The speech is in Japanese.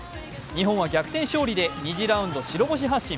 日本は逆転勝利で２次ラウンド白星発信。